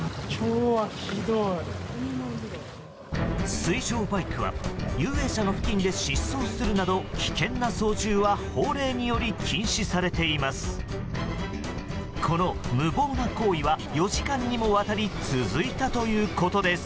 水上バイクは遊泳者の付近で疾走するなど危険な操縦は法令により禁止されています。